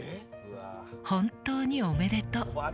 「本当におめでとう」